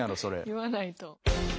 言わないと。